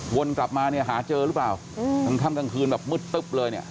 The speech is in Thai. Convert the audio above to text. วนกลับมาเนี่ยหาเจอหรือเปล่ากลางค่ำกลางคืนแบบมืดตึ๊บเลยเนี่ย